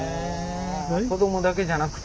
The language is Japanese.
子どもだけじゃなくて。